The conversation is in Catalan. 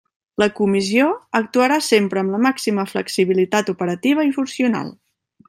La Comissió actuarà sempre amb la màxima flexibilitat operativa i funcional.